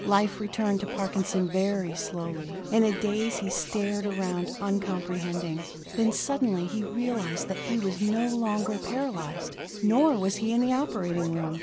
Life returned to Parkinson very slowly. In a daze he stared around, uncomprehending. Then suddenly he realized that he was no longer paralyzed: nor was he in the operating room.